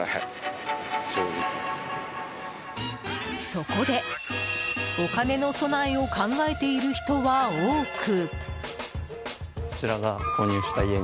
そこで、お金の備えを考えている人は多く。